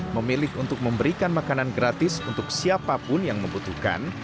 memilih untuk memberikan makanan gratis untuk siapapun yang membutuhkan